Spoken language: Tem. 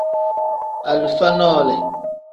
Alifa nole.